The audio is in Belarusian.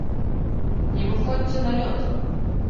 Не выходзьце на лёд!